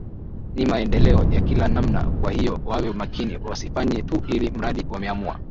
ni maendeleo ya kila namna kwa hiyo wawe makini wasifanye tu ili mradi wameamua